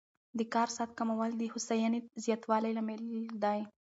د کار ساعت کمول د هوساینې زیاتوالي لامل دی.